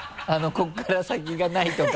ここから先がないとか。